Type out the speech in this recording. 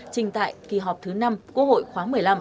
trình tại kỳ họp thứ năm quốc hội khóa một mươi năm